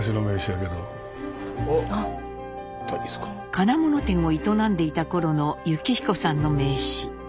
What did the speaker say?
金物店を営んでいた頃の幸彦さんの名刺。